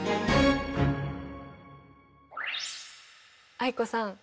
藍子さん